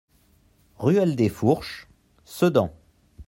Ruelle des Fourches, Sedan